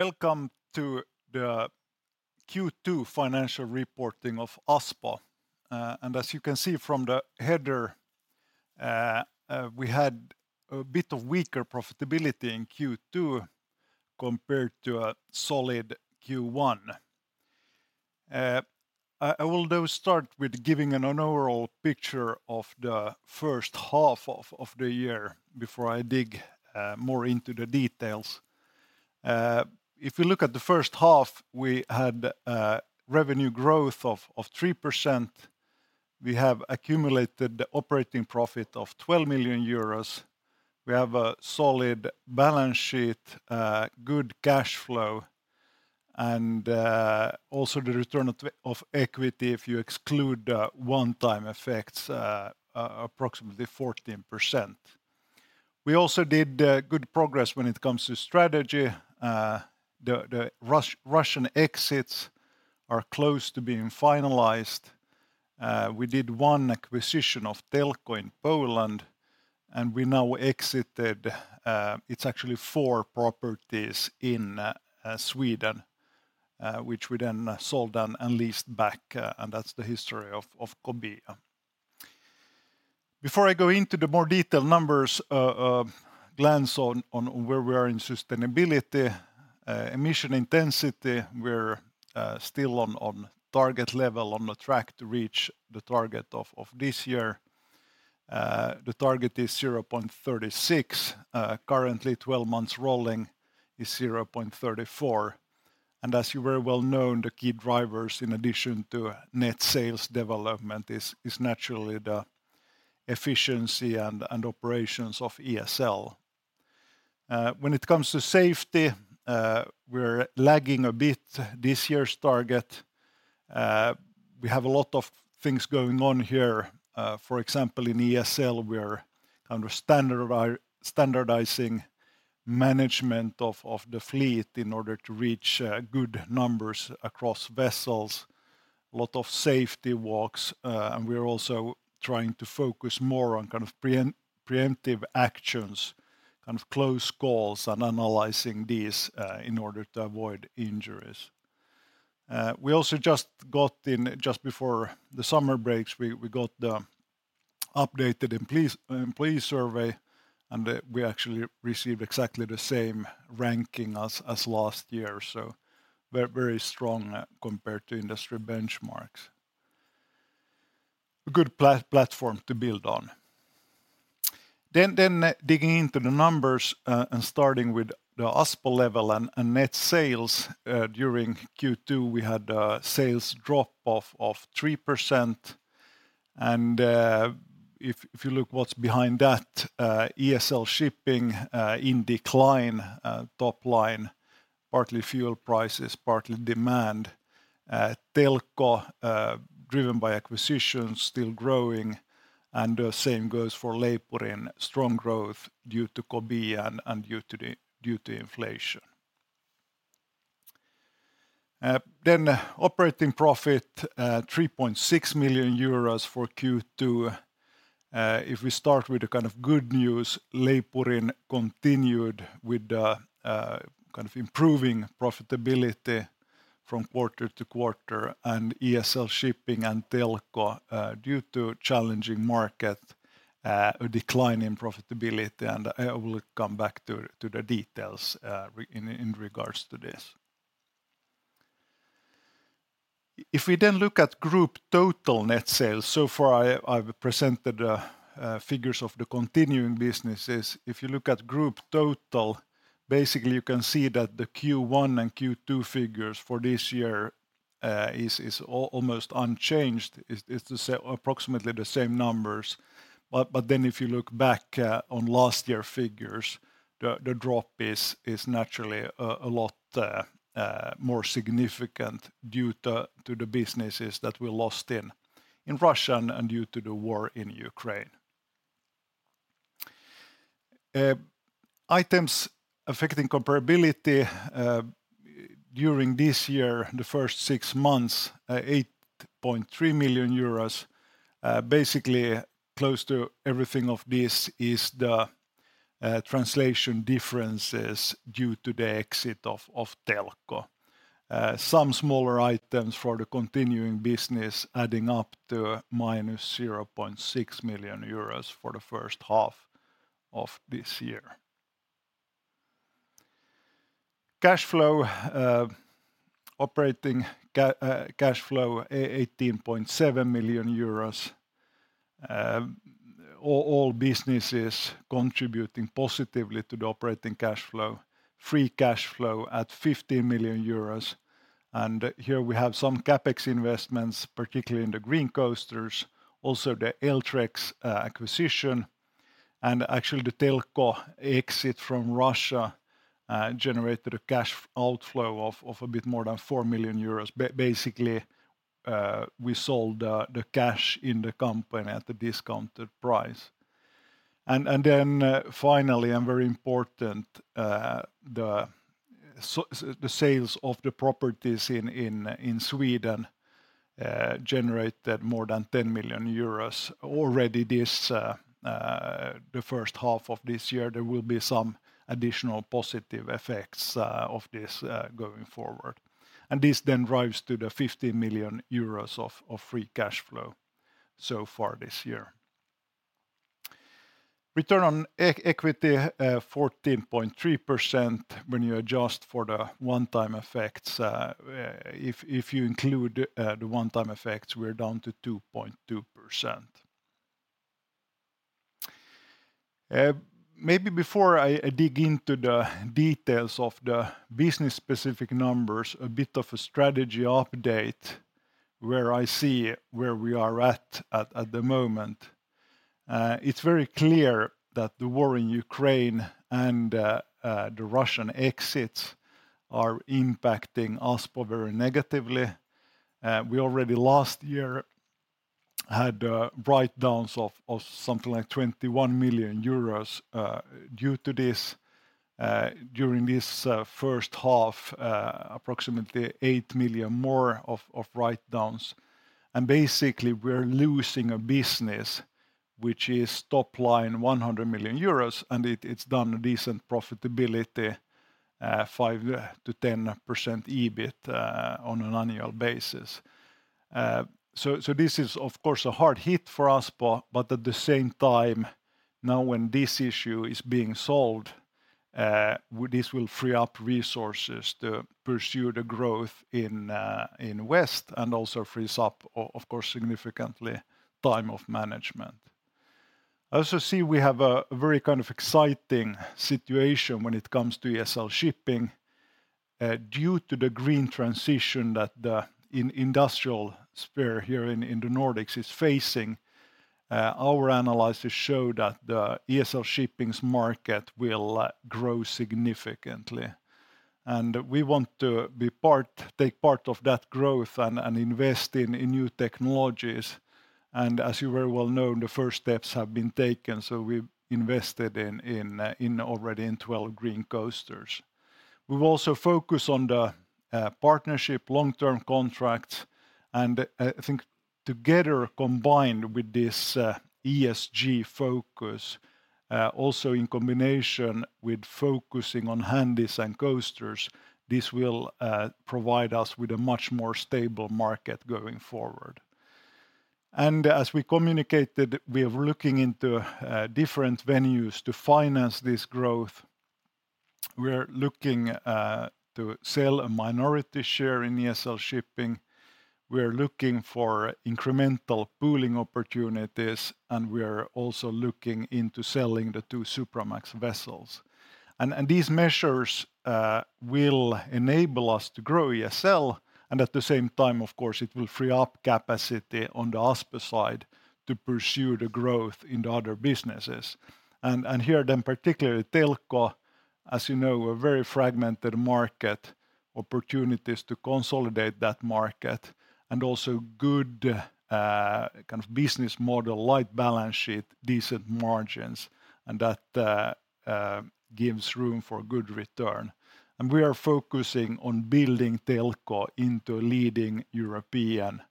Welcome to the Q2 financial reporting of Aspo. As you can see from the header, we had a bit of weaker profitability in Q2 compared to a solid Q1. I, I will, though, start with giving an overall picture of the first half of the year before I dig more into the details. If you look at the first half, we had a revenue growth of 3%. We have accumulated the operating profit of 12 million euros. We have a solid balance sheet, good cash flow, and also the return of equity, if you exclude the one-time effects, approximately 14%. We also did good progress when it comes to strategy. The Russian exits are close to being finalized. We did one acquisition of Telko in Poland, and we now exited. It's actually four properties in Sweden, which we then sold and leased back, and that's the history of Kobia. Before I go into the more detailed numbers, a glance on where we are in sustainability, emission intensity, we're still on target level, on the track to reach the target of this year. The target is 0.36. Currently, 12 months rolling is 0.34, and as you very well know, the key drivers, in addition to net sales development, is naturally the efficiency and operations of ESL Shipping. When it comes to safety, we're lagging a bit this year's target. We have a lot of things going on here. For example, in ESL, we are standardizing management of the fleet in order to reach good numbers across vessels. A lot of safety walks, and we're also trying to focus more on kind of preemptive actions, kind of close calls, and analyzing these in order to avoid injuries. We also just got in, just before the summer breaks, we got the updated employee survey, and we actually received exactly the same ranking as last year, so very, very strong compared to industry benchmarks. A good platform to build on. Digging into the numbers, and starting with the Aspo level and net sales, during Q2, we had a sales drop-off of 3%. If you look what's behind that, ESL Shipping in decline, top line, partly fuel prices, partly demand. Telko, driven by acquisitions, still growing, and the same goes for Leipurin. Strong growth due to Kobia and due to inflation. Operating profit, 3.6 million euros for Q2. If we start with the kind of good news, Leipurin continued with the kind of improving profitability from quarter to quarter, and ESL Shipping and Telko, due to challenging market, a decline in profitability, and I will come back to the details in regards to this. If we look at group total net sales, so far I, I've presented the figures of the continuing businesses. If you look at group total, basically you can see that the Q1 and Q2 figures for this year, is almost unchanged. It's, it's the same... approximately the same numbers. If you look back on last year figures, the drop is naturally a lot more significant due to the businesses that we lost in Russia and due to the war in Ukraine. Items affecting comparability during this year, the first six months, 8.3 million euros, basically, close to everything of this is the translation differences due to the exit of Telko. Some smaller items for the continuing business, adding up to minus 0.6 million euros for the first half of this year. Cash flow, operating cash flow, 18.7 million euros. All businesses contributing positively to the operating cash flow. Free cash flow at 15 million euros. Here we have some CapEx investments, particularly in the Green Coaster, also the Eltrex acquisition, and actually, the Telko exit from Russia generated a cash outflow of a bit more than 4 million euros. Basically, we sold the cash in the company at a discounted price. Then, finally, very important, the sales of the properties in Sweden generated more than 10 million euros already this the first half of this year. There will be some additional positive effects of this going forward, and this then drives to the 50 million euros of free cash flow so far this year. Return on equity, 14.3% when you adjust for the one-time effects. If you include the one-time effects, we're down to 2.2%. Maybe before I dig into the details of the business-specific numbers, a bit of a strategy update where I see where we are at the moment. It's very clear that the war in Ukraine and the Russian exits are impacting Aspo very negatively. We already last year had write-downs of something like 21 million euros due to this. During this first half, approximately 8 million more of write-downs. Basically, we're losing a business, which is top line 100 million euros, and it's done a decent profitability, 5%-10% EBIT, on an annual basis. This is, of course, a hard hit for Aspo, but at the same time, now, when this issue is being solved, this will free up resources to pursue the growth in West, and also frees up, of course, significantly, time of management. I also see we have a very kind of exciting situation when it comes to ESL Shipping. Due to the green transition that the industrial sphere here in the Nordics is facing, our analysis show that the ESL Shipping's market will grow significantly, and we want to take part of that growth and invest in new technologies. As you very well know, the first steps have been taken, so we've invested in, in already in 12 Green Coasters. We've also focused on the partnership long-term contracts, and I think together, combined with this ESG focus, also in combination with focusing on Handysize and Coasters, this will provide us with a much more stable market going forward. As we communicated, we are looking into different venues to finance this growth. We're looking to sell a minority share in ESL Shipping. We're looking for incremental pooling opportunities, and we are also looking into selling the 2 Supramax vessels. These measures will enable us to grow ESL, and at the same time, of course, it will free up capacity on the Aspo side to pursue the growth in the other businesses. Here, particularly Telko, as you know, a very fragmented market, opportunities to consolidate that market, and also good kind of business model, light balance sheet, decent margins, and that gives room for good return. We are focusing on building Telko into a leading European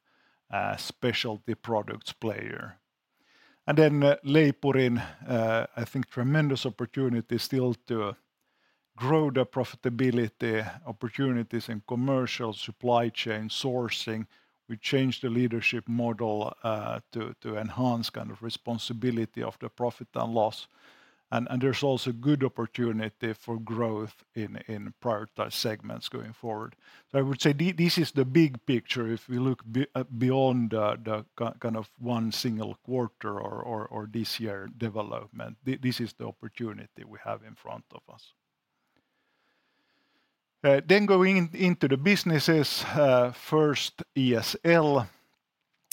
specialty products player. Leipurin, I think tremendous opportunity still to grow the profitability, opportunities in commercial supply chain sourcing. We changed the leadership model to enhance kind of responsibility of the profit and loss, there's also good opportunity for growth in prioritized segments going forward. I would say this is the big picture if we look beyond the kind of one single quarter or this year development. This is the opportunity we have in front of us. Going into the businesses, first, ESL,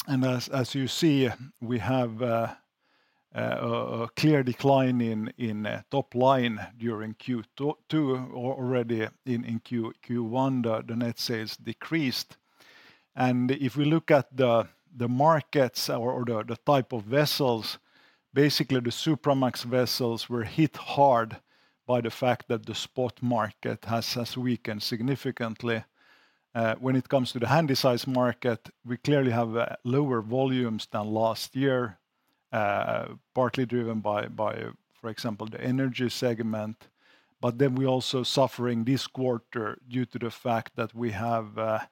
as you see, we have a clear decline in top line during Q2. Already in Q1, the net sales decreased, if we look at the markets or the type of vessels, basically the Supramax vessels were hit hard by the fact that the spot market has weakened significantly. When it comes to the Handysize market, we clearly have lower volumes than last year, partly driven by, for example, the energy segment. We're also suffering this quarter due to the fact that we have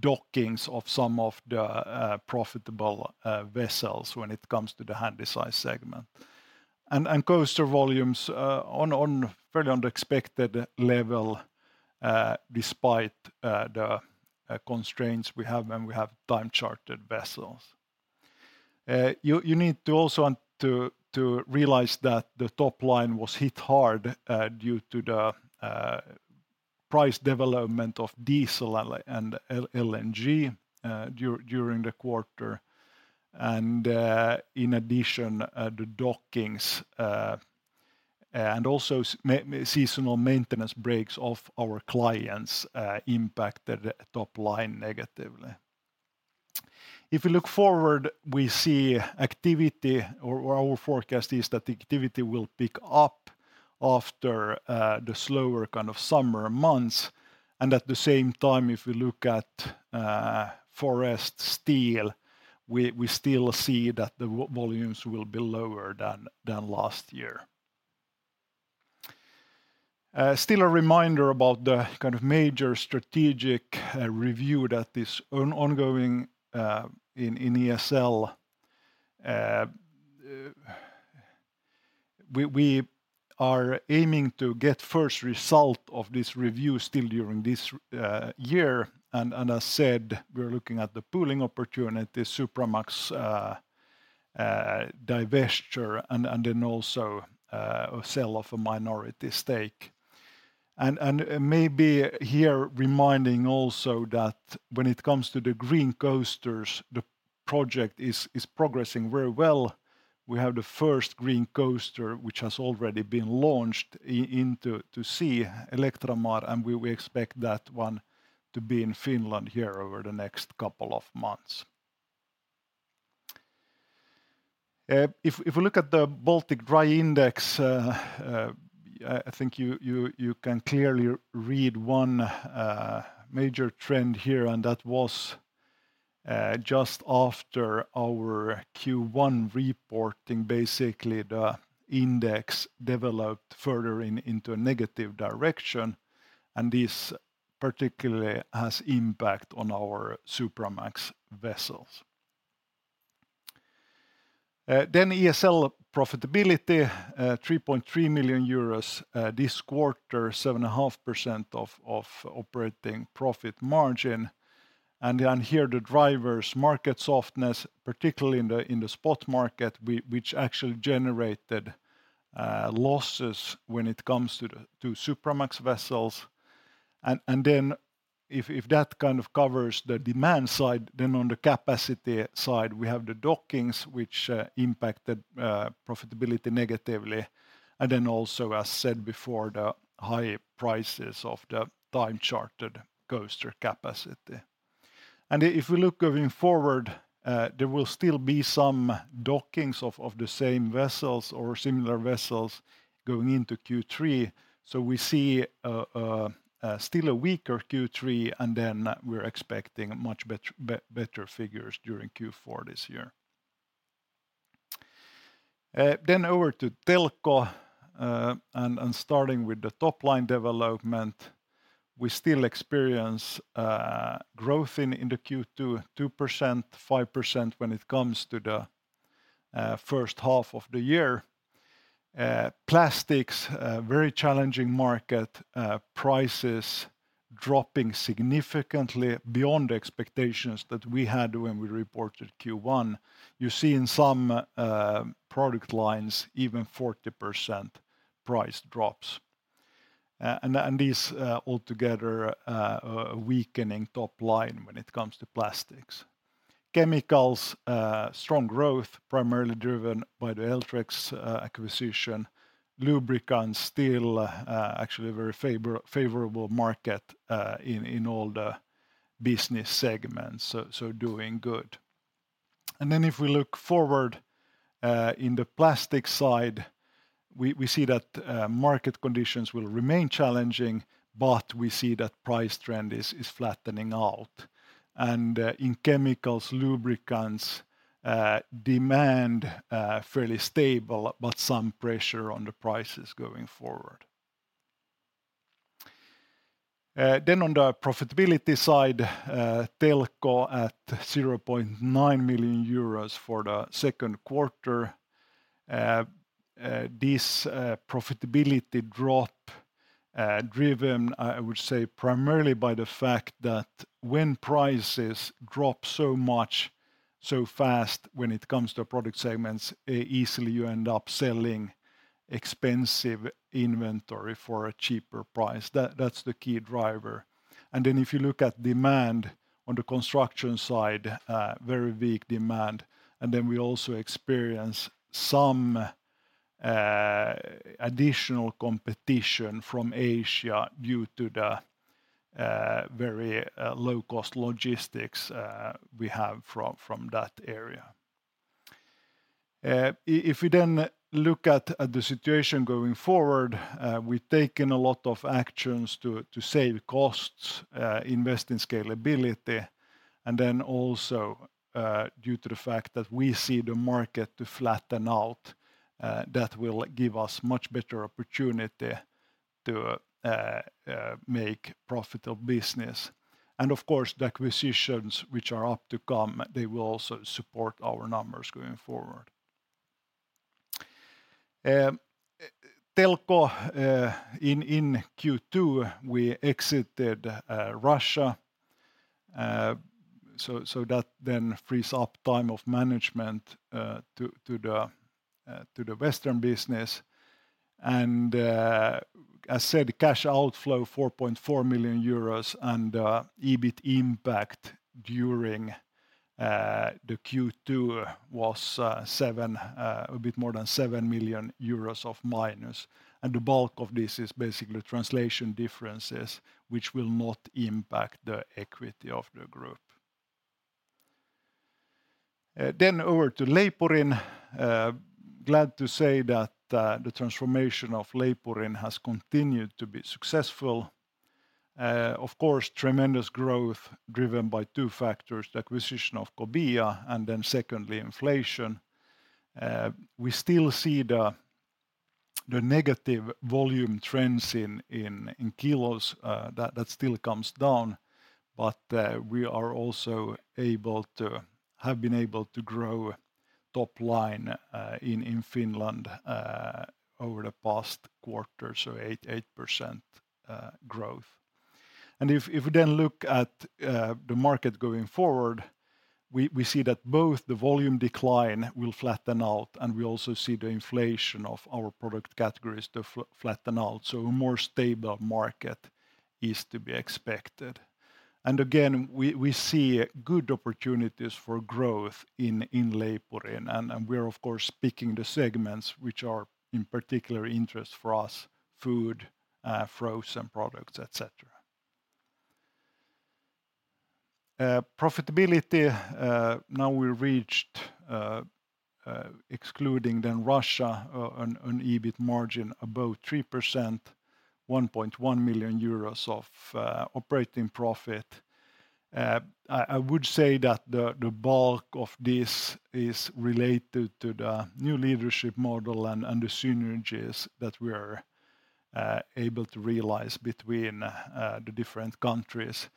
dockings of some of the profitable vessels when it comes to the Handysize segment. Coaster volumes on fairly on the expected level, despite the constraints we have when we have time-chartered vessels. You, you need to also want to, to realize that the top line was hit hard, due to the price development of diesel and LNG during the quarter. In addition, the dockings and also seasonal maintenance breaks of our clients impacted the top line negatively. If we look forward, we see activity, or our forecast is that the activity will pick up after the slower kind of summer months, and at the same time, if we look at forest steel, we, we still see that the volumes will be lower than last year. Still a reminder about the kind of major strategic review that is ongoing in ESL. We are aiming to get first result of this review still during this year, and as said, we're looking at the pooling opportunity, Supramax divestiture, and then also a sale of a minority stake. Maybe here reminding also that when it comes to the Green Coasters, the project is progressing very well. We have the first Green Coaster, which has already been launched into sea, Electramar, and we expect that one to be in Finland here over the next couple of months. If we look at the Baltic Dry Index, I think you, you, you can clearly read one major trend here, and that was just after our Q1 reporting, basically, the index developed further into a negative direction, and this particularly has impact on our Supramax vessels. ESL profitability, 3.3 million euros this quarter, 7.5% of operating profit margin. Here, the drivers, market softness, particularly in the spot market, which actually generated losses when it comes to the Supramax vessels. If that kind of covers the demand side, then on the capacity side, we have the dockings, which impacted profitability negatively, and also, as said before, the high prices of the time-chartered coaster capacity. If we look going forward, there will still be some dockings of the same vessels or similar vessels going into Q3. We see still a weaker Q3, and then we're expecting much better figures during Q4 this year. Then over to Telko, starting with the top-line development, we still experience growth in the Q2, 2%, 5% when it comes to the first half of the year. Plastics, a very challenging market, prices dropping significantly beyond the expectations that we had when we reported Q1. You see in some product lines, even 40% price drops, and these altogether weakening top line when it comes to plastics. Chemicals, strong growth, primarily driven by the Eltrex acquisition. Lubricants still actually a very favor-favorable market in all the business segments, so doing good. If we look forward, in the plastic side, we see that market conditions will remain challenging, but we see that price trend is flattening out. In chemicals, lubricants, demand fairly stable, but some pressure on the prices going forward. On the profitability side, Telko at 0.9 million euros for the second quarter, this profitability drop driven, I would say, primarily by the fact that when prices drop so much, so fast when it comes to product segments, easily you end up selling expensive inventory for a cheaper price. That's the key driver. If you look at demand on the construction side, very weak demand, then we also experience some additional competition from Asia due to the very low-cost logistics we have from that area. If we then look at the situation going forward, we've taken a lot of actions to save costs, invest in scalability, and then also, due to the fact that we see the market to flatten out, that will give us much better opportunity to make profitable business. Of course, the acquisitions which are up to come, they will also support our numbers going forward. Telko, in Q2, we exited Russia, so that then frees up time of management to the Western business. As said, cash outflow, 4.4 million euros, EBIT impact during the Q2 was a bit more than 7 million euros of minus. The bulk of this is basically translation differences, which will not impact the equity of the group. Over to Leipurin. Glad to say that the transformation of Leipurin has continued to be successful. Of course, tremendous growth driven by two factors: the acquisition of Kobia and secondly, inflation. We still see the negative volume trends in kilos that still comes down, but we have been able to grow top line in Finland over the past quarter, so 8% growth. If we then look at the market going forward, we see that both the volume decline will flatten out, and we also see the inflation of our product categories to flatten out, so a more stable market is to be expected. Again, we see good opportunities for growth in Leipurin, and we're of course, picking the segments which are in particular interest for us: food, frozen products, et cetera. Profitability, now we reached, excluding then Russia, an EBIT margin above 3%, 1.1 million euros of operating profit. I would say that the bulk of this is related to the new leadership model and the synergies that we are able to realize between the different countries.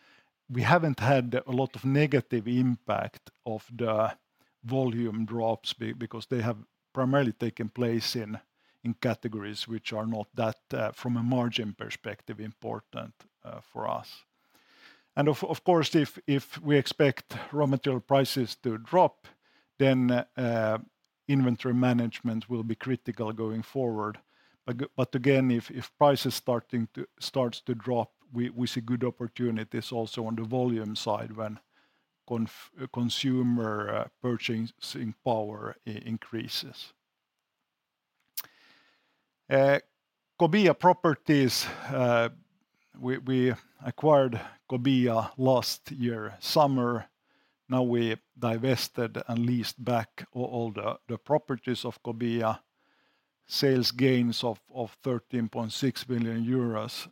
We haven't had a lot of negative impact of the volume drops because they have primarily taken place in, in categories which are not that, from a margin perspective, important for us. Of course, if we expect raw material prices to drop, then inventory management will be critical going forward. Again, if price starts to drop, we see good opportunities also on the volume side when consumer purchasing power increases. Kobia properties, we acquired Kobia last year, summer. Now we divested and leased back all the properties of Kobia. Sales gains of 13.6 million euros,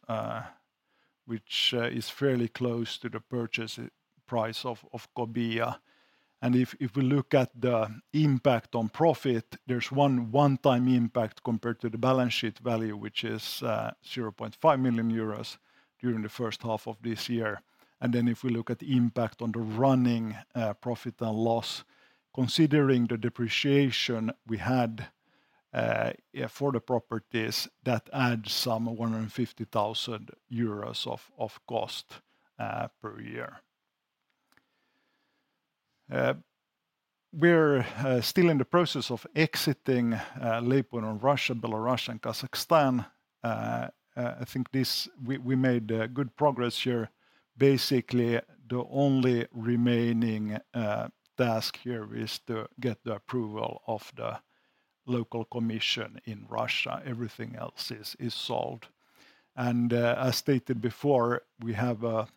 which is fairly close to the purchase price of Kobia. If, if we look at the impact on profit, there's one one-time impact compared to the balance sheet value, which is 0.5 million euros during the first half of this year. If we look at the impact on the running profit and loss, considering the depreciation we had for the properties, that adds some 150,000 euros of cost per year. We're still in the process of exiting Leipurin in Russia, Belarus, and Kazakhstan. We made good progress here. Basically, the only remaining task here is to get the approval of the local commission in Russia. Everything else is sold. As stated before, we have a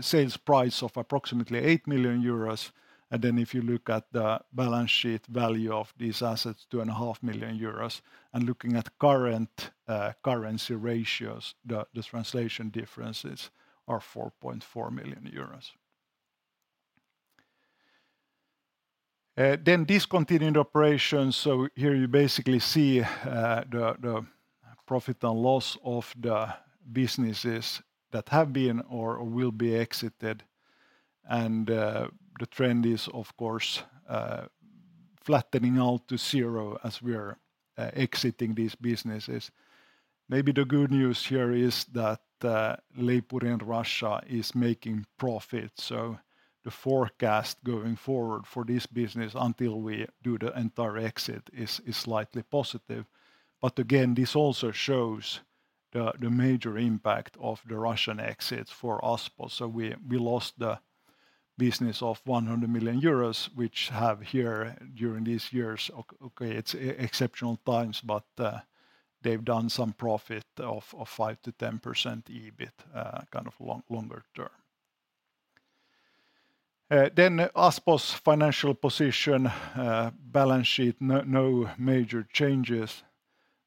sales price of approximately 8 million euros, and then if you look at the balance sheet value of these assets, 2.5 million euros, and looking at current currency ratios, the translation differences are 4.4 million euros. Then discontinued operations. Here you basically see profit and loss of the businesses that have been or will be exited, the trend is flattening out to 0 as we are exiting these businesses. Maybe the good news here is that Leipurin in Russia is making profit, so the forecast going forward for this business until we do the entire exit is slightly positive. Again, this also shows the major impact of the Russian exit for Aspo. We, we lost the business of 100 million euros, which have here during these years, exceptional times, but they've done some profit of 5%-10% EBIT, kind of longer term. Aspo's financial position, balance sheet, no, no major changes.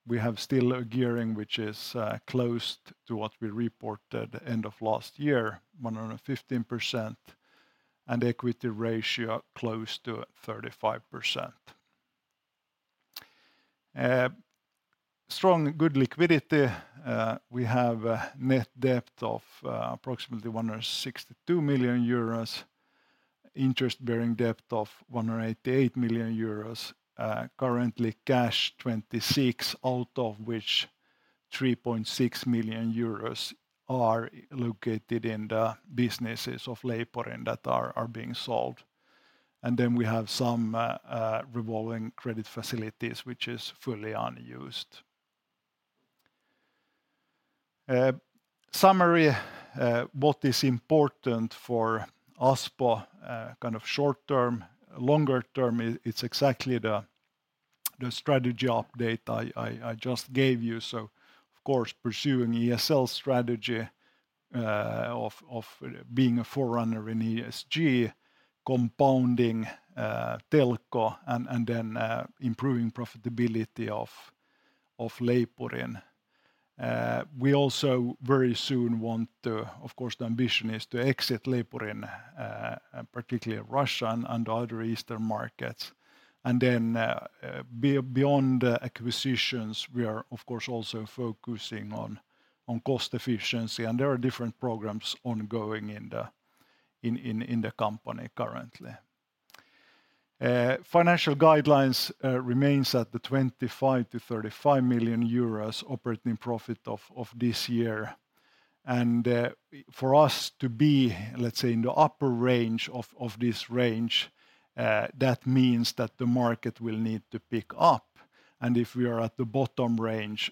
We have still a gearing, which is close to what we reported end of last year, 115%, and equity ratio close to 35%. Strong, good liquidity. We have a net debt of approximately 162 million euros, interest-bearing debt of 188 million euros. Currently, cash, 26 million, out of which 3.6 million euros are located in the businesses of Leipurin that are being sold. Then we have some revolving credit facilities, which is fully unused. Summary, what is important for Aspo, kind of short term, longer term, it's exactly the strategy update I just gave you. Of course, pursuing ESL strategy, of being a forerunner in ESG, compounding Telko, and then improving profitability of Leipurin. We also very soon want to, of course, the ambition is to exit Leipurin, particularly Russia and other eastern markets. Beyond acquisitions, we are, of course, also focusing on cost efficiency, and there are different programs ongoing in the company currently. Financial guidelines remains at the 25 million-35 million euros operating profit of this year. For us to be, let's say, in the upper range of this range, that means that the market will need to pick up, and if we are at the bottom range,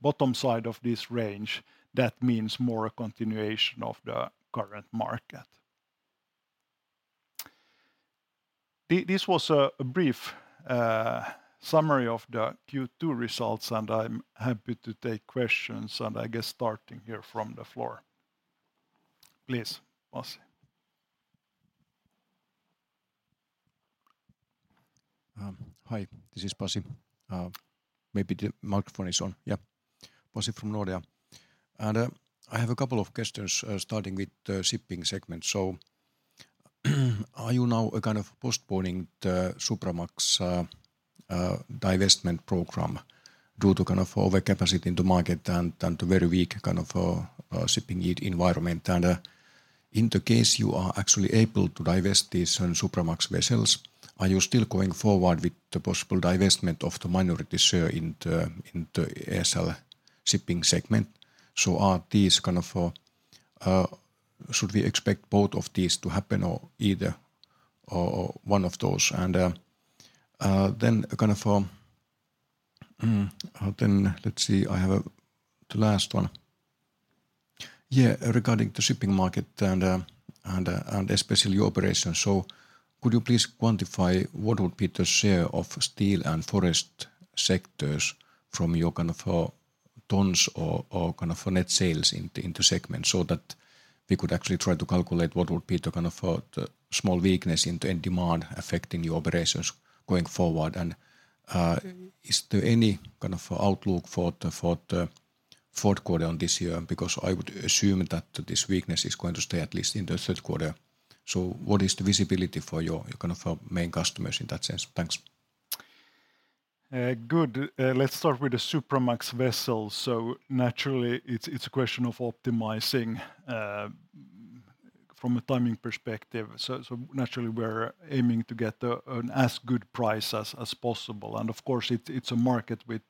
bottom side of this range, that means more a continuation of the current market. This was a brief summary of the Q2 results, and I'm happy to take questions, and I guess starting here from the floor. Please, Pasi. Hi, this is Pasi. Maybe the microphone is on. Yeah. Pasi from Nordea. I have a couple of questions starting with the shipping segment. Are you now kind of postponing the Supramax divestment program due to kind of overcapacity in the market and the very weak kind of shipping yield environment? In the case you are actually able to divest these Supramax vessels, are you still going forward with the possible divestment of the minority share in the ESL Shipping segment? Are these kind of Should we expect both of these to happen or either or, or one of those? Then kind of then let's see, the last one. Yeah, regarding the shipping market and, and, and especially your operations, could you please quantify what would be the share of steel and forest sectors from your kind of, tons or, or kind of net sales in the, in the segment, so that we could actually try to calculate what would be the kind of, the small weakness in the end demand affecting your operations going forward? Is there any kind of outlook for the, for the fourth quarter on this year? Because I would assume that this weakness is going to stay at least in the third quarter. What is the visibility for your kind of, main customers in that sense? Thanks. Good. Let's start with the Supramax vessels. Naturally, it's, it's a question of optimizing from a timing perspective. Naturally, we're aiming to get an as good price as possible. Of course, it's, it's a market with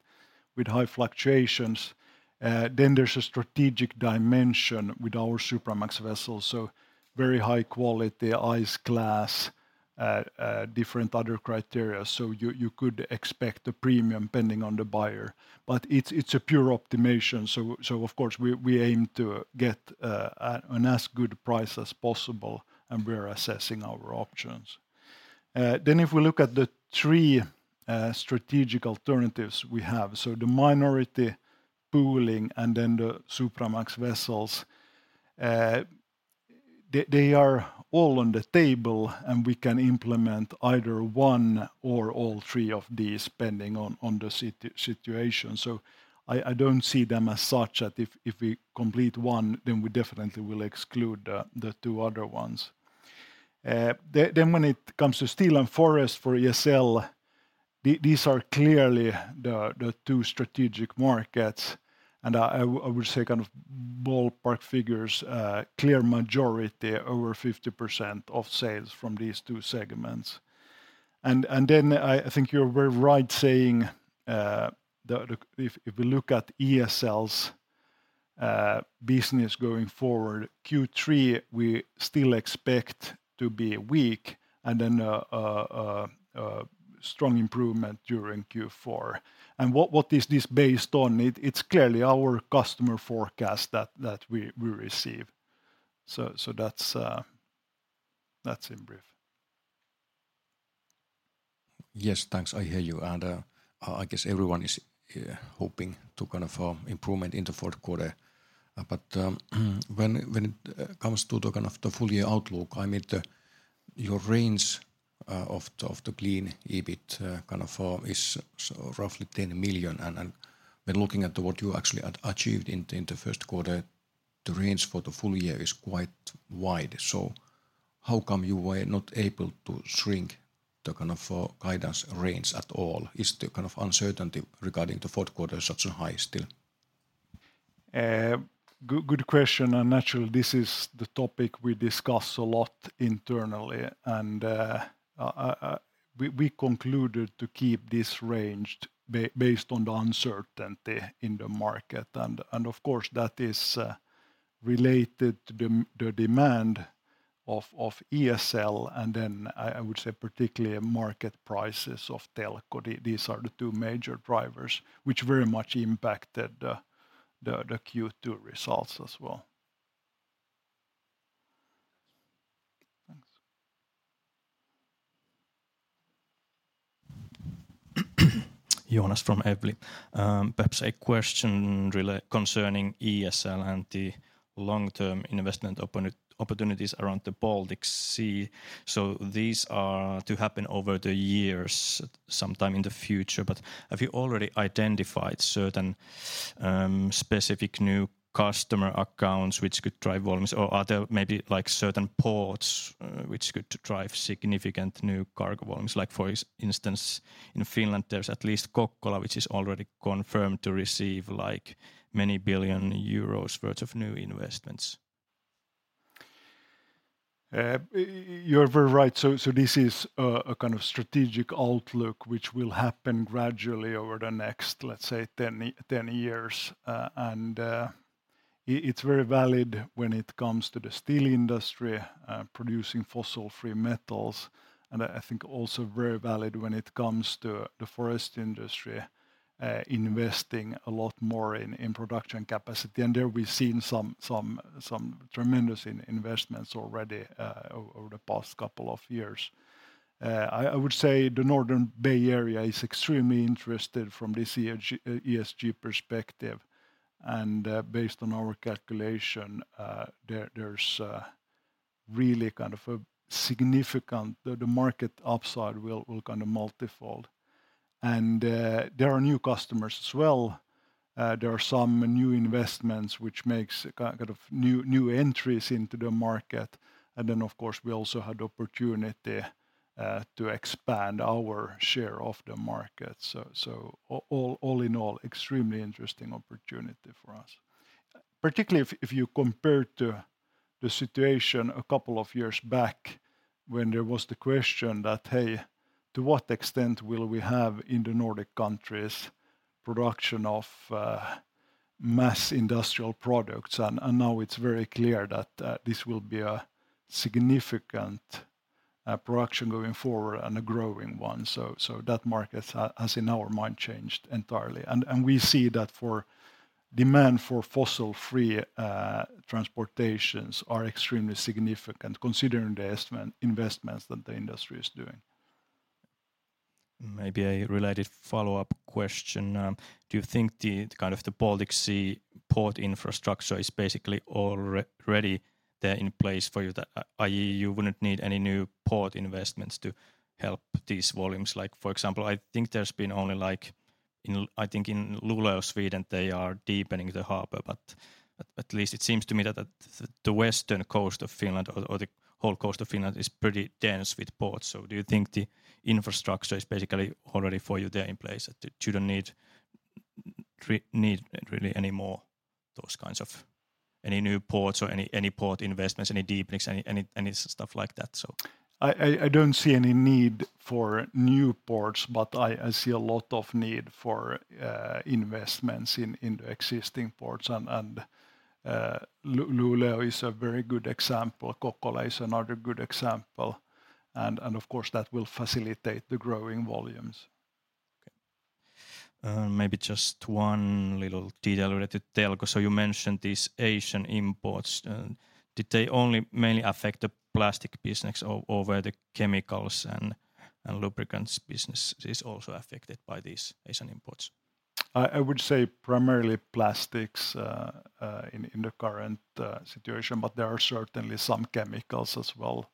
high fluctuations. Then there's a strategic dimension with our Supramax vessels, so very high quality, ice class, different other criteria. You, you could expect a premium, depending on the buyer. It's, it's a pure optimization, so of course, we, we aim to get an as good price as possible, and we're assessing our options. If we look at the 3 strategic alternatives we have, so the minority pooling and the Supramax vessels, they are all on the table, and we can implement either 1 or all 3 of these, depending on the situation. I, I don't see them as such that if, if we complete 1, then we definitely will exclude the 2 other ones. When it comes to steel and forest for ESL, these are clearly the 2 strategic markets, and I, I would say kind of ballpark figures, clear majority, over 50% of sales from these 2 segments. I think you're very right saying, the... If, if we look at ESL's business going forward, Q3, we still expect to be weak, and then a strong improvement during Q4. What, what is this based on? It, it's clearly our customer forecast that, that we, we receive. So that's, that's in brief. Yes, thanks. I hear you. I guess everyone is hoping to kind of improvement in the fourth quarter. When it comes to the kind of the full year outlook, I mean, your range of the clean EBIT is roughly 10 million. When looking at the what you actually achieved in the first quarter, the range for the full year is quite wide. How come you were not able to shrink the kind of guidance range at all? Is the kind of uncertainty regarding the fourth quarter such high still? Good, good question, and naturally, this is the topic we discuss a lot internally. We, we concluded to keep this range based on the uncertainty in the market. Of course, that is related to the demand of ESL, and then I, I would say particularly market prices of Telko. These are the two major drivers which very much impacted the Q2 results as well. Jonas from Evli. Perhaps a question really concerning ESL and the long-term investment opportunities around the Baltic Sea. These are to happen over the years, sometime in the future, but have you already identified certain specific new customer accounts which could drive volumes? Are there maybe, like, certain ports which could drive significant new cargo volumes? Like, for instance, in Finland, there's at least Kokkola, which is already confirmed to receive, like, many billion euros worth of new investments. You're very right. This is a kind of strategic outlook which will happen gradually over the next, let's say, 10, 10 years. It's very valid when it comes to the steel industry, producing fossil-free metals, and I think also very valid when it comes to the forest industry, investing a lot more in production capacity. There we've seen some tremendous investments already over the past couple of years. I would say the Northern Bay Area is extremely interesting from this ESG... ESG perspective, and based on our calculation, there's really kind of a significant... The market upside will kind of multifold. There are new customers as well. There are some new investments which makes a kind of new, new entries into the market. Of course, we also had the opportunity to expand our share of the market. All, all in all, extremely interesting opportunity for us, particularly if, if you compare to the situation 2 years back when there was the question that, "Hey, to what extent will we have, in the Nordic countries, production of mass industrial products?" Now it's very clear that this will be a significant production going forward, and a growing one. That market has, in our mind, changed entirely. We see that for demand for fossil-free transportations are extremely significant considering the investments that the industry is doing. Maybe a related follow-up question. Do you think the, kind of, the Baltic Sea port infrastructure is basically already there in place for you, that, i.e., you wouldn't need any new port investments to help these volumes? Like, for example, I think there's been only In, I think, in Luleå, Sweden, they are deepening the harbor, but at least it seems to me that the, the western coast of Finland or the, or the whole coast of Finland is pretty dense with ports. Do you think the infrastructure is basically already for you there in place, that you don't need really any more those kinds of Any new ports or any port investments, any deepenings, any stuff like that, so? I, I, I don't see any need for new ports, but I, I see a lot of need for investments in, in the existing ports. Luleå is a very good example. Kokkola is another good example. Of course, that will facilitate the growing volumes. Okay. maybe just one little detail related Telko. You mentioned these Asian imports, and did they only mainly affect the plastics business, or were the chemicals and lubricants businesses also affected by these Asian imports? I, I would say primarily plastics in, in the current situation, but there are certainly some chemicals as well.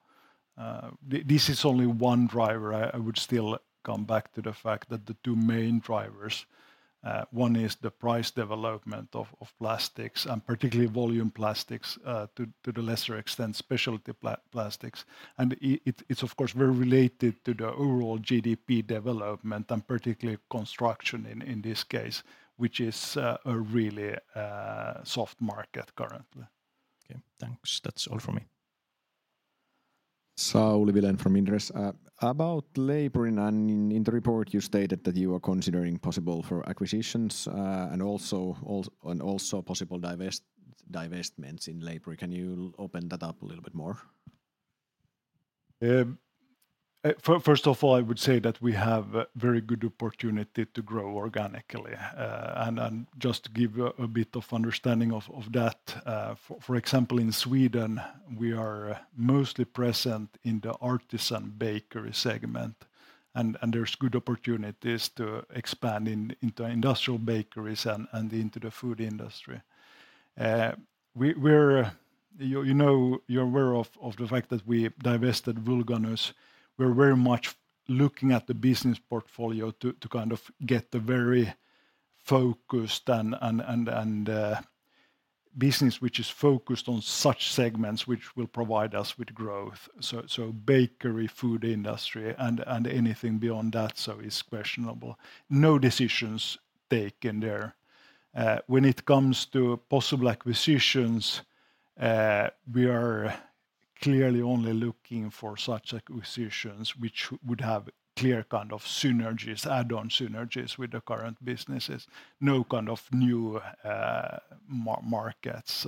This is only one driver. I, I would still come back to the fact that the two main drivers, one is the price development of, of plastics, and particularly volume plastics, to, to a lesser extent, specialty plastics. It, it's, of course, very related to the overall GDP development, and particularly construction in, in this case, which is a really soft market currently. Okay, thanks. That's all for me. Sauli Vilén from Inderes. about Leipurin, and in, in the report, you stated that you are considering possible for acquisitions, and also, and also possible divestments in Leipurin. Can you open that up a little bit more? First of all, I would say that we have a very good opportunity to grow organically. And just to give you a bit of understanding of that, for example, in Sweden, we are mostly present in the artisan bakery segment, and there's good opportunities to expand into industrial bakeries and into the food industry. You know, you're aware of the fact that we divested Vulganus. We're very much looking at the business portfolio to kind of get the very focused business which is focused on such segments, which will provide us with growth. Bakery, food industry, and anything beyond that is questionable. No decisions taken there. When it comes to possible acquisitions, we are clearly only looking for such acquisitions which would have clear kind of synergies, add-on synergies with the current businesses. No kind of new markets,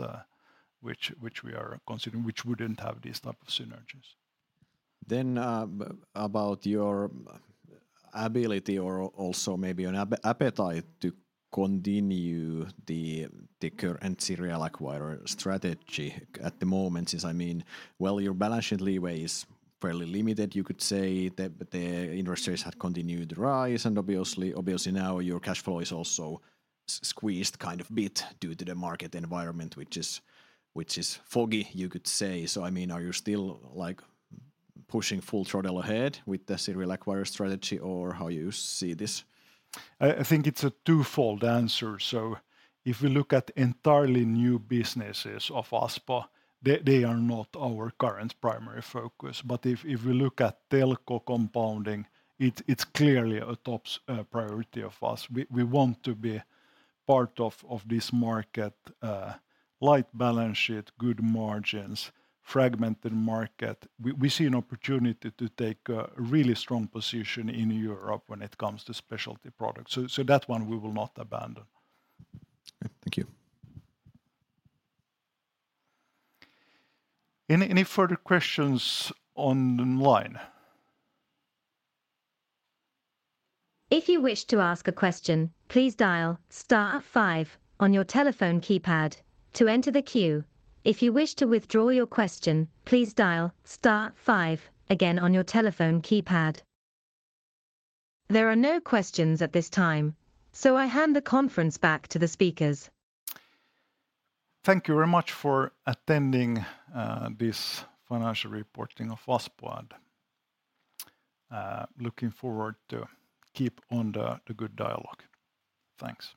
which, which we are considering, which wouldn't have these type of synergies. About your ability or also maybe an appetite to continue the current serial acquirer strategy at the moment is, I mean, well, your balance sheet leeway is fairly limited, you could say. The interest rates had continued to rise, and obviously, obviously, now your cash flow is also squeezed kind of bit due to the market environment, which is, which is foggy, you could say. I mean, are you still, like, pushing full throttle ahead with the serial acquirer strategy, or how you see this? I, I think it's a twofold answer. If we look at entirely new businesses of Aspo, they, they are not our current primary focus. If, if we look at Telko compounding, it's, it's clearly a tops priority of us. We, we want to be part of, of this market, light balance sheet, good margins, fragmented market. We, we see an opportunity to take a really strong position in Europe when it comes to specialty products, that one we will not abandon. Thank you. Any, any further questions on the line? If you wish to ask a question, please dial star five on your telephone keypad to enter the queue. If you wish to withdraw your question, please dial star five again on your telephone keypad. There are no questions at this time, so I hand the conference back to the speakers. Thank you very much for attending this financial reporting of Aspo. Looking forward to keep on the, the good dialogue. Thanks.